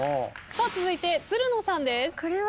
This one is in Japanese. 続いてつるのさんです。